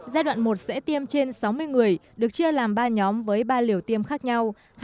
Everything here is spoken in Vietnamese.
giai đoạn một sẽ tiêm trên sáu mươi người được chia làm ba nhóm với ba liều tiêm khác nhau